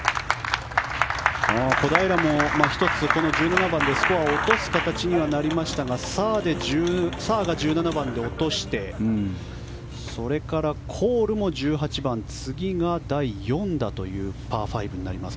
小平も１つ、この１７番でスコアを落とす形にはなりましたがサーが１７番で落としてそれからコールも１８番次が第４打というパー５になります。